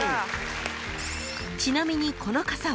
［ちなみにこのかさは］